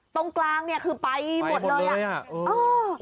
ตรงกลางคือไปหมดเลยนะไปหมดเลยค่ะโอ้